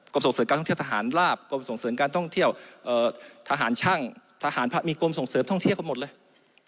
ส่งเสริมการท่องเที่ยวทหารลาบกรมส่งเสริมการท่องเที่ยวทหารช่างทหารพระมีกรมส่งเสริมท่องเที่ยวกันหมดเลย